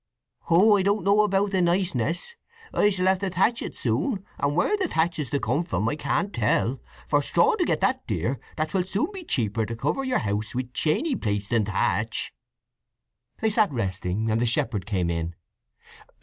"Oh, I don't know about the niceness. I shall have to thatch it soon, and where the thatch is to come from I can't tell, for straw do get that dear, that 'twill soon be cheaper to cover your house wi' chainey plates than thatch." They sat resting, and the shepherd came in.